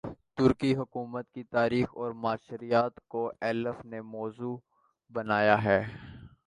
ترکی حکومت کی تاریخ اور معاشرت کو ایلف نے موضوع بنایا ہے